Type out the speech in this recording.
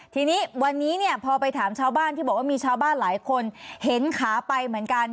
ทีนี้วันนี้พอไปถามชาวบ้านที่บอกว่ามีชาวบ้านหลายคนเห็นขาไปเหมือนกัน